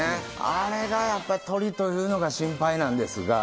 あれがやっぱりトリというのが心配なんですが。